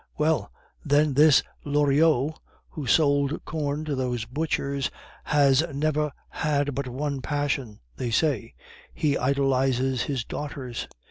Well, then, this Loriot, who sold corn to those butchers, has never had but one passion, they say he idolizes his daughters.